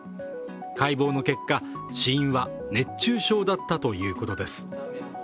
解剖の結果、死因は熱中症だったということです。